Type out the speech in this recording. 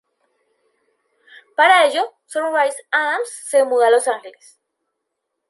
Para ello, Sunrise Adams se muda a Los Ángeles.